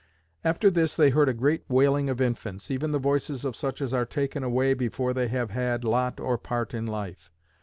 After this they heard a great wailing of infants, even the voices of such as are taken away before they have had lot or part in life.